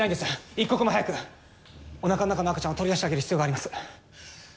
一刻も早くおなかの中の赤ちゃんを取り出してあげる必要があります。